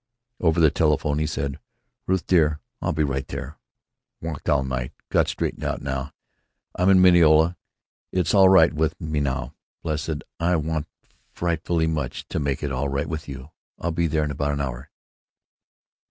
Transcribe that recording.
Over the telephone he said: "Ruth dear, I'll be right there. Walked all night. Got straightened out now. I'm out at Mineola. It's all right with me now, blessed. I want so frightfully much to make it all right with you. I'll be there in about an hour."